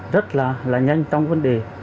rất là nhanh trong vấn đề